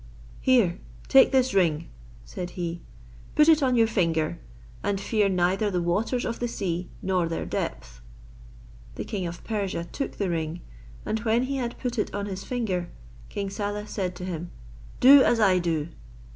"Here, take this ring," said he, "put it on your finger, and fear neither the waters of the sea, nor their depth." The king of Persia took the ring, and when he had put it on his finger, King Saleh said to him, "Do as I do."